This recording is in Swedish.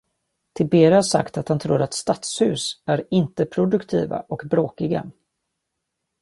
Tiberi har sagt att han tror att stadshus är "inte produktiva" och "bråkiga".